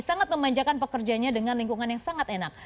sangat memanjakan pekerjanya dengan lingkungan yang sangat enak